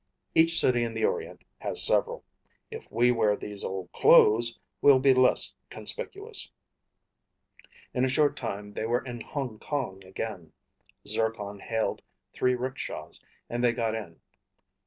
Each city in the Orient has several. If we wear these old clothes, we'll be less conspicuous." In a short time they were in Hong Kong again. Zircon hailed three rickshaws and they got in.